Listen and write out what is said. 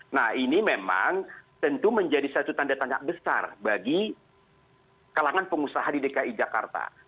nah ini memang tentu menjadi satu tanda tanya besar bagi kalangan pengusaha di dki jakarta